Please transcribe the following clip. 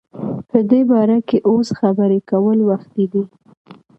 په دی باره کی اوس خبری کول وختی دی